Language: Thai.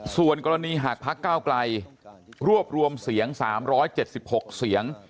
ส่วนกรณีหากพักก้าวไกลรวบรวมเสียง๓๗๖เสียง